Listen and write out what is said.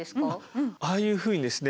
ああいうふうにですね